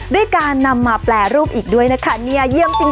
ด้วยการนำมาแปรรูปอีกด้วยนะคะเนี่ยเยี่ยมจริง